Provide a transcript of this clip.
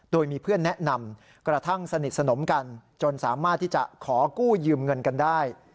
โดยมีเพื่อนแนะนำกระทั่งสนิทสนมกันจนสามารถที่จะขอกู้ยืมเงินกันได้